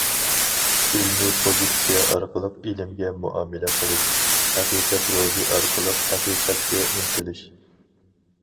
ئىلمىي پوزىتسىيە ئارقىلىق ئىلىمگە مۇئامىلە قىلىش، ھەقىقەت روھى ئارقىلىق ھەقىقەتكە ئىنتىلىش.